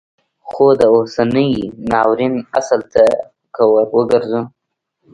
خو د اوسني ناورین اصل ته که وروګرځو